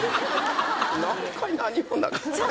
南海何もなかった。